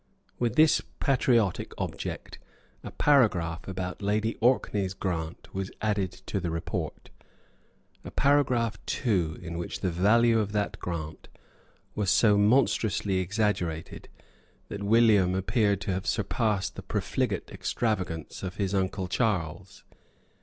With this patriotic object a paragraph about Lady Orkney's grant was added to the report, a paragraph too in which the value of that grant was so monstrously exaggerated that William appeared to have surpassed the profligate extravagance of his uncle Charles.